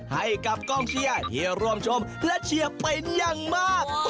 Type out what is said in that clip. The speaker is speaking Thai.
ให้กับกองเชียร์ที่ร่วมชมและเชียร์เป็นอย่างมาก